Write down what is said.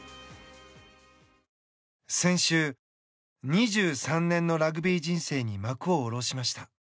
先週、２３年のラグビー人生に幕を下ろしました。